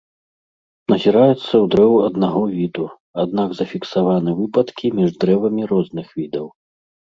Назіраецца ў дрэў аднаго віду, аднак зафіксаваны выпадкі між дрэвамі розных відаў.